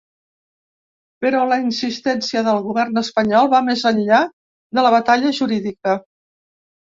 Però la insistència del govern espanyol va més enllà de la batalla jurídica.